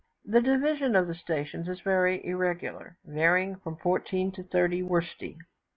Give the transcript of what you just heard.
The division of the stations is very irregular, varying from fourteen to thirty wersti.